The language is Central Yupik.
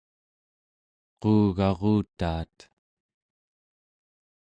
quugarutaat